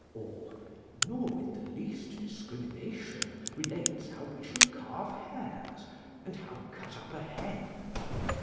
or, ("Nor with the least discrimination relates how we should carve hares, and how cut up a hen.)"